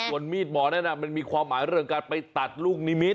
ส่วนมีดหมอนั่นมันมีความหมายเรื่องการไปตัดลูกนิมิต